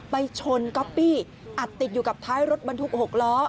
ไปชนก๊อปปี้อัดติดอยู่กับท้ายรถบรรทุก๖ล้อ